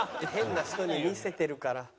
変な人に見せてるから。